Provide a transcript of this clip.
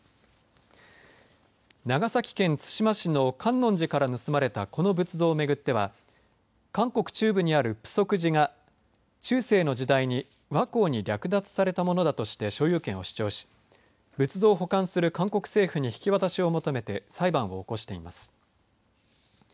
長崎県対馬市の観音寺から盗まれたこの仏像を巡っては韓国中部にあるプソク寺が中世の時代に倭寇に略奪されたものだとして所有権を主張し仏像を保管する韓国政府に引き渡しを求めて裁判を起こしています。